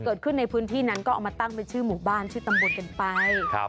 เกิดขึ้นในพื้นที่นั้นก็เอามาตั้งเป็นชื่อหมู่บ้านชื่อตำบลกันไป